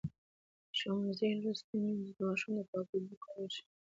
ښوونځې لوستې میندې د ماشومانو د پاکو اوبو کارول ښيي.